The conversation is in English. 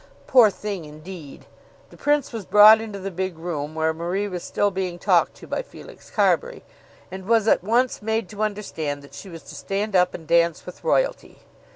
Poor thing indeed! The Prince was brought into the big room where Marie was still being talked to by Felix Carbury, and was at once made to understand that she was to stand up and dance with royalty.